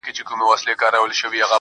د دې سړي د هر يو رگ څخه جانان وځي~